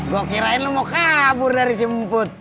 gue kirain lu mau kabur dari jemput